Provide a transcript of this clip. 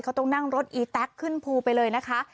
เขาต้องนั่งรถอีแต๊กขึ้นภูไปเลยนะคะ